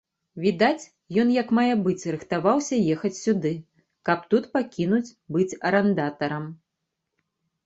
Відаць, ён як мае быць рыхтаваўся ехаць сюды, каб тут пакінуць быць арандатарам.